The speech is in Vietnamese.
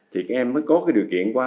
thì các em mới có cái điều kiện qua